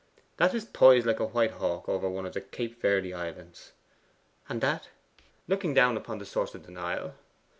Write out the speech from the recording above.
'That is poised like a white hawk over one of the Cape Verde Islands.' 'And that?' 'Looking down upon the source of the Nile.